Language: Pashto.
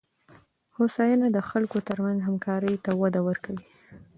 هوساینه د خلکو ترمنځ همکارۍ ته وده ورکوي.